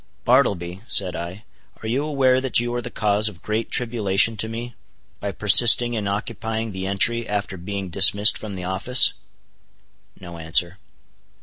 "Bartleby," said I, "are you aware that you are the cause of great tribulation to me, by persisting in occupying the entry after being dismissed from the office?" No answer.